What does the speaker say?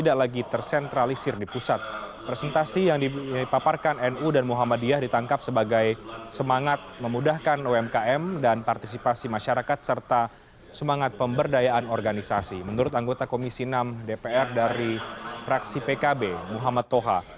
kami adalah komisi enam dpr dari raksi pkb muhammad toha